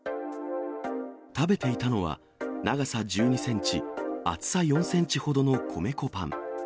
食べていたのは、長さ１２センチ、厚さ４センチほどの米粉パン。